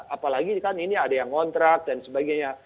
apalagi kan ini ada yang ngontrak dan sebagainya